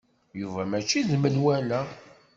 Yuba mačči d menwala.